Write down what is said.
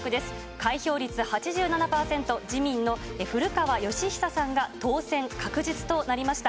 開票率８７％、自民の古川禎久さんが当選確実となりました。